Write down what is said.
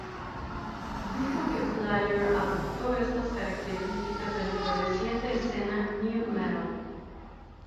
Dijo que Slayer adoptó estas características de la floreciente escena "nu metal".